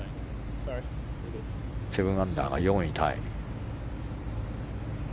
７アンダーは４位タイ。